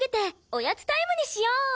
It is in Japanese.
おやつタイムにしよう！